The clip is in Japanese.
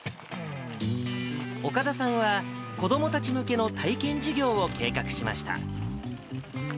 岡田さんは、子どもたち向けの体験授業を計画しました。